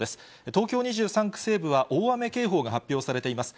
東京２３区西部は大雨警報が発表されています。